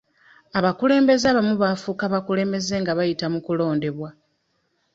Abakulembeze abamu bafuuka bakulembeze nga bayita mu kulondebwa.